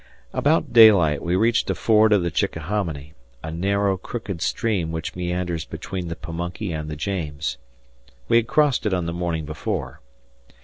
About daylight we reached a ford of the Chickahominy, a narrow crooked stream which meanders between the Pamunkey and the James. We had crossed it on the morning before.